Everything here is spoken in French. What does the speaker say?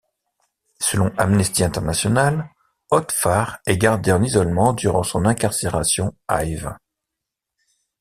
Selon Amnesty International, Hoodfar est gardée en isolement durant son incarcération à Evin.